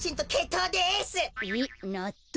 えっなっとう？